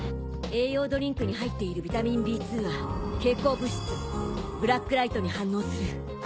栄養ドリンクに入っているビタミンＢ２は蛍光物質ブラックライトに反応する。